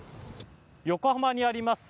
横浜にあります